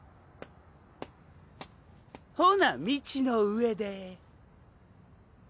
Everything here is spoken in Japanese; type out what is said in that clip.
ほな道の上でぇ。